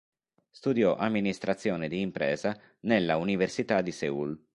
Studiò amministrazione di impresa nella Università di Seul.